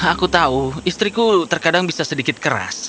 aku tahu istriku terkadang bisa sedikit keras